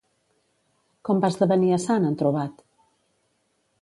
Com va esdevenir a sant en Trobat?